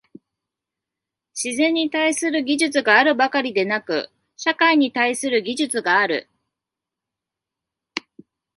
自然に対する技術があるばかりでなく、社会に対する技術がある。